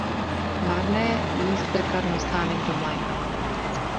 Marné jí strkat nosánek do mléka.